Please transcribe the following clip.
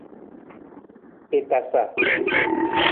I tasa.